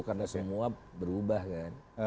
karena semua berubah kan